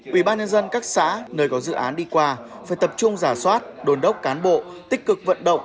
ubnd các xã nơi có dự án đi qua phải tập trung giả soát đồn đốc cán bộ tích cực vận động